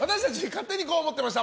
勝手にこう思ってました！